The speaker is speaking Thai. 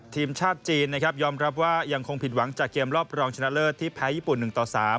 ทีมชาติจีนนะครับยอมรับว่ายังคงผิดหวังจากเกมรอบรองชนะเลิศที่แพ้ญี่ปุ่น๑ต่อ๓